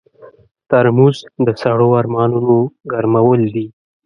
ترموز د سړو ارمانونو ګرمول دي.